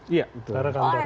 iya ditaruh di kantor